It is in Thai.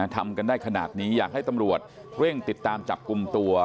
ทำกันได้ขนาดนี้อยากให้ตำรวจเร่งติดตามจับกลุ่มตัว